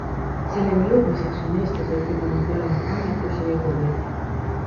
Selleni jõudmiseks on eestlased pidanud elama kannatusi ja kurja.